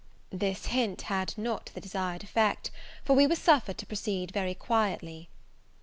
This hint had not the desired effect; for we were suffered to proceed very quietly.